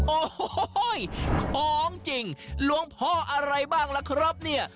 โอ้โหของจริงหลวงพ่ออะไรบ้างล่ะครับเนี่ย